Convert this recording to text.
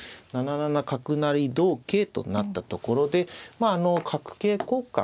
７七角成同桂となったところで角桂交換